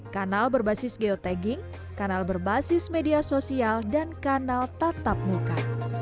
kanal berbasis geotagging kanal berbasis media sosial dan kanal tatap muka